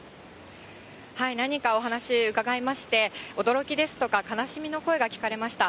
何人かお話伺いまして、驚きですとか、悲しみの声が聞かれました。